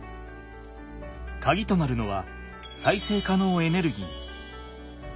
かぎとなるのは再生可能エネルギー。